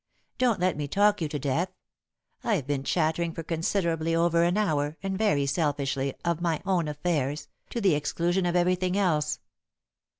Don't let me talk you to death I've been chattering for considerably over an hour, and, very selfishly, of my own affairs, to the exclusion of everything else."